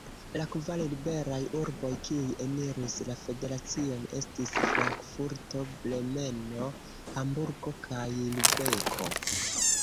La kvar liberaj urboj, kiuj eniris la federacion, estis Frankfurto, Bremeno, Hamburgo kaj Lubeko.